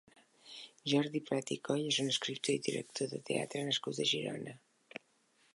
Jordi Prat i Coll és un escriptor i director de teatre nascut a Girona.